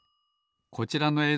こちらのえい